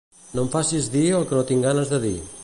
No em facis dir el que no tinc ganes de dir.